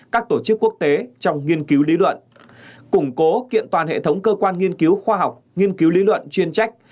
các tổ chức quốc tế trong nghiên cứu lý luận củng cố kiện toàn hệ thống cơ quan nghiên cứu khoa học nghiên cứu lý luận chuyên trách